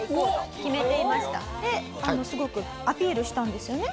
すごくアピールしたんですよね？